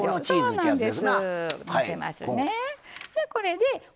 そうなんです。